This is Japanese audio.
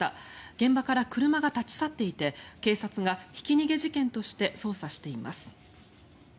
現場から車が立ち去っていて警察がひき逃げ事件として捜査しています。